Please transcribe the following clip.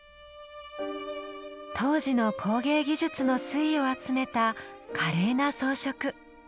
当時の工芸技術の粋を集めた華麗な装飾。